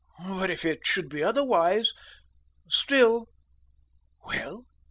But if it should be otherwise, still " "Well?